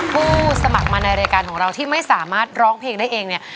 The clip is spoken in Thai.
ผู้สมัครมาในรายการของเราที่ไม่สามารถร้องเพลงได้เองเนี่ย